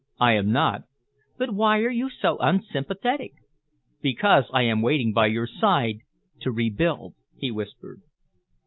"I am not." "But why are you so unsympathetic?" "Because I am waiting by your side to rebuild," he whispered.